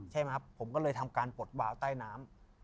ใช่ไหมครับผมก็เลยทำการปลดวาวใต้น้ำ